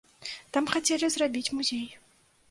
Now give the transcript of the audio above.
Там хацелі зрабіць музей.